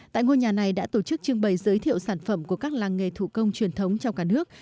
tại ngôi nhà này đã tổ chức trưng bày giới thiệu sản phẩm của các làng nghề thủ công truyền thống trong cả nước